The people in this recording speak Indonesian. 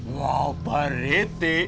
wah pak rete